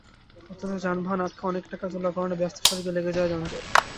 অথচ যানবাহন আটকে টাকা তোলার কারণে ব্যস্ত সড়কে লেগে যায় যানজট।